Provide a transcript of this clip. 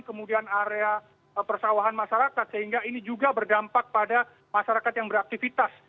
kemudian area persawahan masyarakat sehingga ini juga berdampak pada masyarakat yang beraktivitas